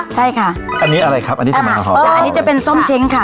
ใช่ค่ะอันนี้อะไรครับอันนี้จะมาหอมจ้ะอันนี้จะเป็นส้มเช้งค่ะ